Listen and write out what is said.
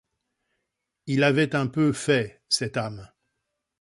Il avait un peu fait cette âme.